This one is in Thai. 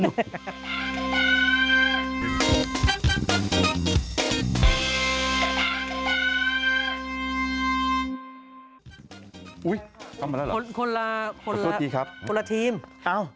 อุ๊ยเข้ามาแล้วเหรอขอโทษทีครับคนละทีมอ้าว